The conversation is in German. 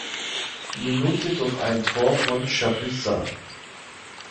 Minute durch ein Tor von Chapuisat.